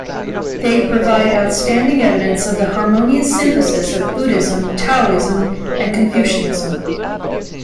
They provide outstanding evidence of the harmonious synthesis of Buddhism, Taoism and Confucianism.